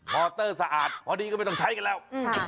พอเตอร์สะอาดพอดีก็ไม่ต้องใช้กันแล้ว